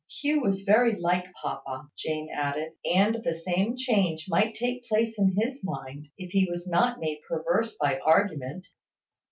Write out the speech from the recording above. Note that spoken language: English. Hugh was very like papa, Jane added; and the same change might take place in his mind, if he was not made perverse by argument.